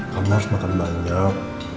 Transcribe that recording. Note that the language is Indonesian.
kamu harus makan banyak